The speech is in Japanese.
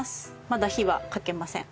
まだ火はかけません。